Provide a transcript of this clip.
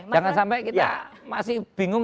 jangan sampai kita masih bingung